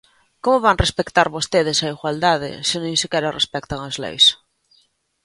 ¿Como van respectar vostedes a igualdade se nin sequera respectan as leis?